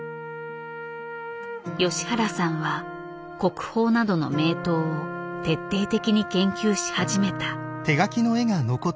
吉原さんは国宝などの名刀を徹底的に研究し始めた。